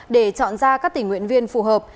để chọn ra các tình nguyện viên phù hợp